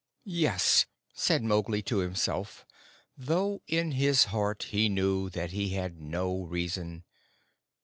"Yes," said Mowgli to himself, though in his heart he knew that he had no reason.